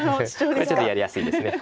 これちょっとやりやすいです。